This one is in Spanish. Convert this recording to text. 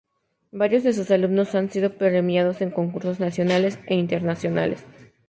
Varios de sus alumnos han sido premiados en concursos nacionales e internacionales.